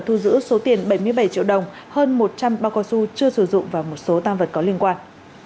thu giữ số tiền bảy mươi bảy triệu đồng hơn một trăm linh bao cao su chưa sử dụng và một số tam vật có liên quan